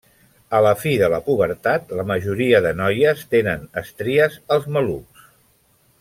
A la fi de la pubertat la majoria de noies tenen estries als malucs.